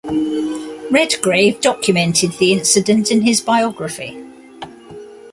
Redgrave documented the incident in his biography.